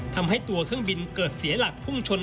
ทำให้ตัวเครื่องบินเกิดเสียหลักพุ่งชน